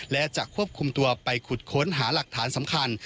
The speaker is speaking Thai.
และจะควบคุมตัวไปขุดค้นหาหลักฐานสำคัญ